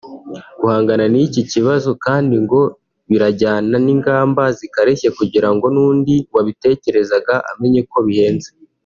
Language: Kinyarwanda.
Guhangana n’iki kibazo kandi ngo birajyana n’ingamba zikarishye kugira ngo n’undi wabitekerezaga amenye ko bihenze